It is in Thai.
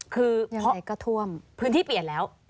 คือพื้นที่เปลี่ยนแล้ว